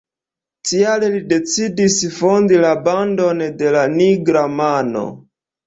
Tial li decidis fondi la bandon de la nigra mano.